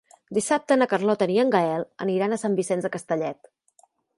Dissabte na Carlota i en Gaël aniran a Sant Vicenç de Castellet.